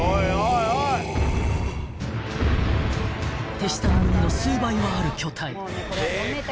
［手下の鬼の数倍はある巨体］